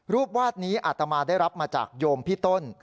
วาดนี้อาตมาได้รับมาจากโยมพี่ต้น